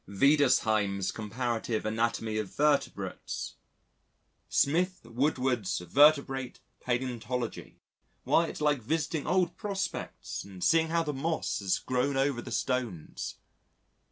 "Wiedersheim's Comparative Anatomy of Vertebrates, Smith Woodward's Vertebrate Palæontology why it's like visiting old prospects and seeing how the moss has grown over the stones."